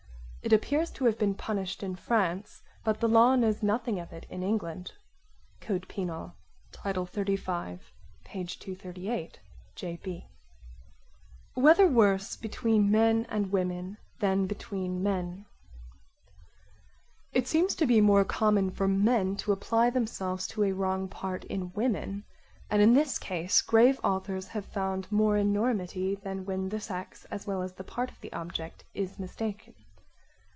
It appears to have been punished in France but the law knows nothing of it in England. (Code penal, Tit. 35, p 238. J.B.) Whether worse between men and women than between men It seems to be more common for men to apply themselves to a wrong part in women and in this case grave authors have found more enormity than when the sex as well as the part of the object is mistaken.